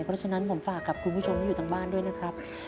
เพราะฉะนั้นผมฝากกับคุณผู้ชมที่อยู่ทางบ้านด้วยนะครับ